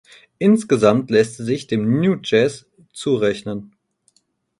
Insgesamt lässt sie sich dem Nu Jazz zurechnen.